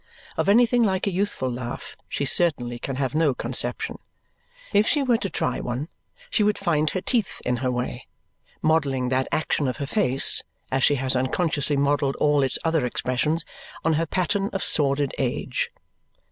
Of anything like a youthful laugh, she certainly can have no conception. If she were to try one, she would find her teeth in her way, modelling that action of her face, as she has unconsciously modelled all its other expressions, on her pattern of sordid age.